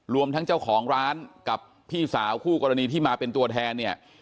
รวมทั้งเจ้าของร้านกับพี่สาวคู่กรณีที่มาเป็นตัวแทนเนี่ย